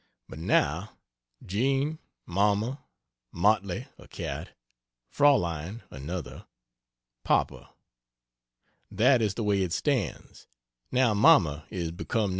But now: Jean Mamma Motley [a cat] Fraulein [another] Papa That is the way it stands, now Mamma is become No.